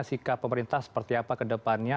sikap pemerintah seperti apa ke depannya